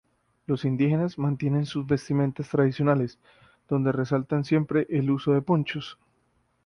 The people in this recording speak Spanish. Los indígenas, mantienen sus vestimentas tradicionales, donde resalta siempre el uso de ponchos.